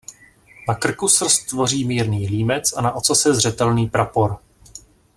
Na krku srst tvoří mírný límec a na ocase zřetelný prapor.